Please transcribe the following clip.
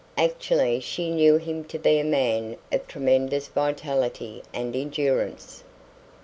Actually she knew him to be a man of tremendous vitality and endurance.